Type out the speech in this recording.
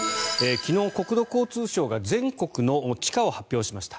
昨日、国土交通省が全国の地価を発表しました。